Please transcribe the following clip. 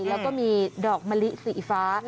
แล้วก็มีดอกมะลิสีฟ้า